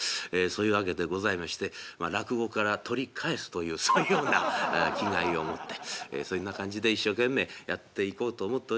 そういうわけでございましてまあ落語から取り返すというそういうような気概を持ってそんな感じで一生懸命やっていこうと思っております。